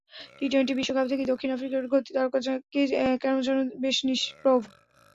T twenty বিশ্বকাপ থেকেই দক্ষিণ আফ্রিকার গতি তারকা কেন যেন বেশ নিষ্প্রভ।